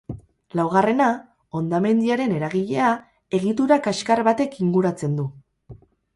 Laugarrena, hondamendiaren eragilea, egitura kaxkar batek inguratzen du.